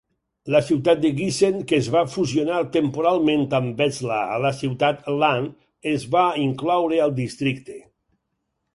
La ciutat de Giessen, que es va fusionar temporalment amb Wetzlar a la ciutat "Lahn", es va incloure al districte.